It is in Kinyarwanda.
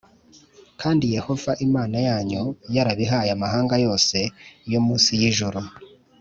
kandi Yehova Imana yanyu yarabihaye amahanga yose yo munsi y’ijuru.